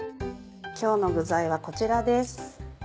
今日の具材はこちらです。